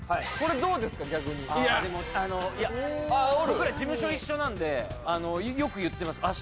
これどうですか逆に事務所一緒なんでよく言ってます